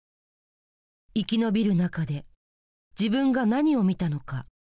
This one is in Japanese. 「生き延びる中で自分が何を見たのか」